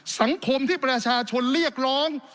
สังคมที่ประชาชนเรียกร้อง